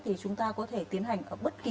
thì chúng ta có thể tiến hành